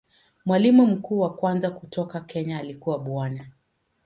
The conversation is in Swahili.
Mwalimu mkuu wa kwanza kutoka Kenya alikuwa Bwana.